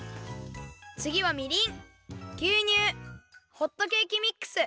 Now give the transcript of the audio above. つぎはみりんぎゅうにゅうホットケーキミックス。